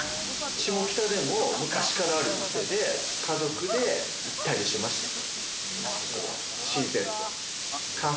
下北で昔からある店で家族で行ったりしましたね。